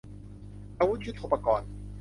อาวุธยุทโธปกรณ์